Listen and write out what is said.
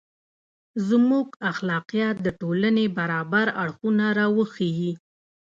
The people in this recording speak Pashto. • زموږ اخلاقیات د ټولنې برابر اړخونه راوښيي.